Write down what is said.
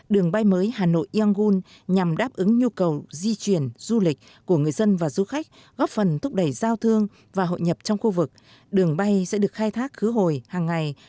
đường bay mới hà nội yangun nhằm đáp ứng nhu cầu di chuyển du lịch của người dân và du khách góp phần thúc đẩy giao thương và hội nhập trong khu vực đường bay sẽ được khai thác khứ hồi hàng ngày